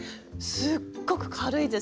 すっごく軽いです。